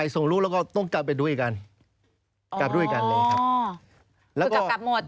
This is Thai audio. คือกลับกลับหมด